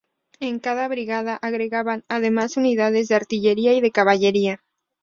En cada brigada agregaban además, unidades de artillería y de caballería.